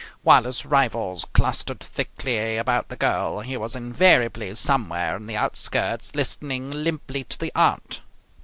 While his rivals clustered thickly about the girl, he was invariably somewhere on the outskirts listening limply to the aunt.